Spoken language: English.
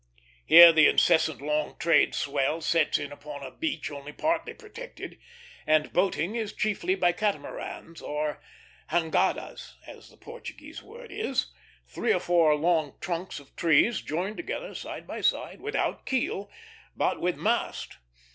Here the incessant long trade swell sets in upon a beach only partly protected; and boating is chiefly by catamarans, or jangadas, as the Portuguese word is, three or four long trunks of trees, joined together side by side, without keel, but with mast.